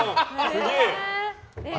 すげえ！